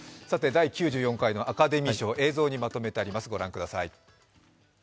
第９４回のアカデミー賞、映像にまとめてあります。